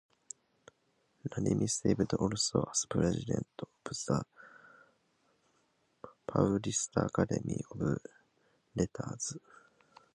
Nalini served also as President of the Paulista Academy of Letters.